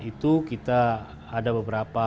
itu kita ada beberapa